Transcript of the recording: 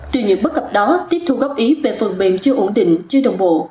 từ những bất cập đó tiếp thu góp ý về phần mềm chưa ổn định chưa đồng bộ